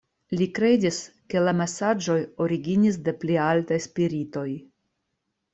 Li kredis, ke la mesaĝoj originis de pli altaj spiritoj.